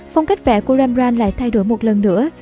phong cách vẽ của ramran lại thay đổi một lần nữa